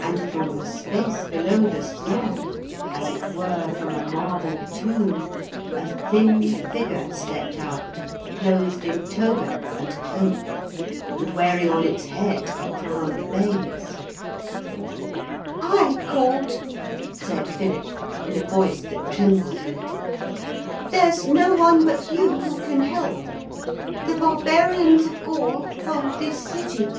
And from the space below the slab, as it were from a marble tomb, a thin figure stepped out, clothed in toga and cloak and wearing on its head a crown of bays. 'I called,' said Philip in a voice that trembled a little. 'There's no one but you who can help. The barbarians of Gaul hold this city.